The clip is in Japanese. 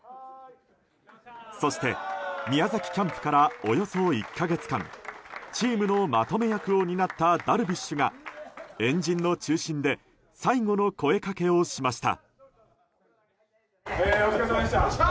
そして宮崎キャンプからおよそ１か月間チームのまとめ役を担ったダルビッシュが円陣の中心で最後の声掛けをしました。